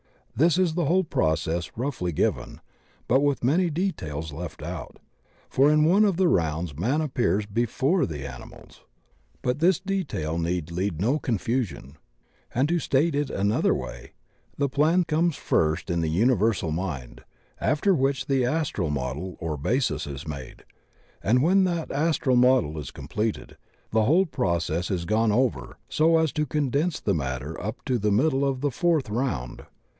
This is the whole process roughly given, but with many details left out, for in one of the rounds man appears before the ani mals. But this detail need lead to no confusion. And to state it in another way. The plan comes 28 THE OCEAN OF THEOSOPHY first in the universal mind, after which the astral model or basis is made, and when that astral model is completed, the whole process is gone over so as to condense the matter up to the middle of the Fourth Round.